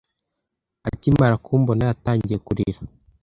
Akimara kumbona, yatangiye kurira.